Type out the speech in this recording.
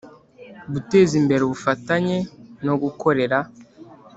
Guteza imbere ubufatanye no gukorera